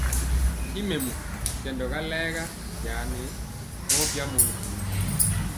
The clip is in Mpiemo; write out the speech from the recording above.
I mɛmɔ, kɛndɔga layega nkya nɛ mɔ bya mɔnɔ.